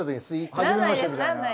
はじめましてみたいな。